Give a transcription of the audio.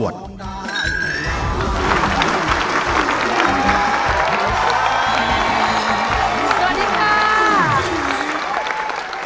สวัสดีค่ะ